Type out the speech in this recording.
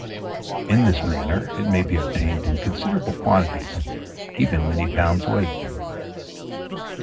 In this manner it may be obtained in considerable quantities, even many pounds weight.